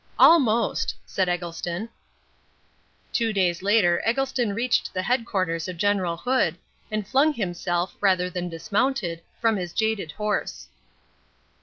"Almost," said Eggleston. Two days later Eggleston reached the headquarters of General Hood, and flung himself, rather than dismounted, from his jaded horse.